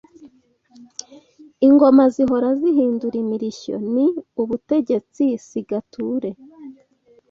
Ingoma zihora zihindura imirishyo ni Ubutegetsi si gature